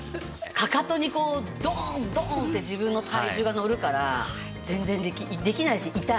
かかとにこうドーンドーンッて自分の体重がのるから全然できないし痛い。